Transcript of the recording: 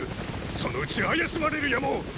そのうち怪しまれるやも！